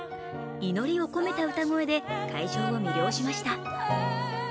祈りを込めた歌声で会場を魅了しました。